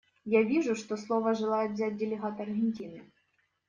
Я вижу, что слово желает взять делегат Аргентины.